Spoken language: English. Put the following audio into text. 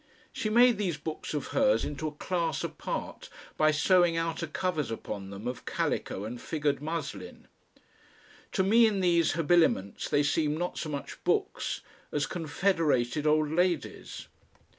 She made these books of hers into a class apart by sewing outer covers upon them of calico and figured muslin. To me in these habiliments they seemed not so much books as confederated old ladies.